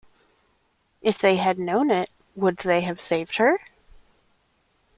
If they had known it, would they have saved her?